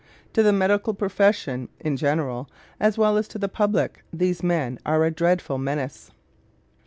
To the medical profession in general, as well as to the public, these men are a dreadful menace.